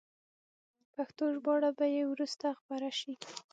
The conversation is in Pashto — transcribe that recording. پښتو ژباړه به یې وروسته خپره شي.